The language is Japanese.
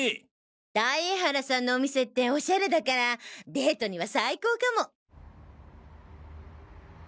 大江原さんのお店ってオシャレだからデートには最高かも。